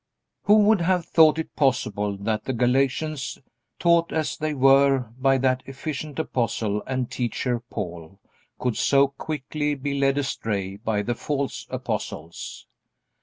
Who would have thought it possible that the Galatians, taught as they were by that efficient apostle and teacher, Paul, could so quickly be led astray by the false apostles?